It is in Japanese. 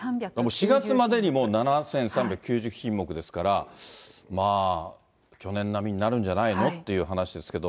４月までに、もう７３９０品目ですから、まあ、去年並みになるんじゃないのって話ですけど。